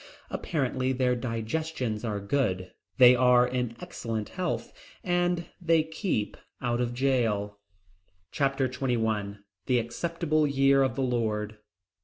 Apparently their digestions are good, they are in excellent health, and they keep out of jail. Chapter XXI The Acceptable Year of the Lord.